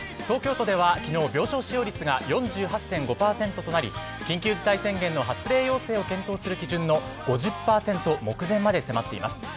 東京都では昨日、病床使用率が４８．５％となり緊急事態宣言の発令要請を検討する基準の５０％目前まで迫っています。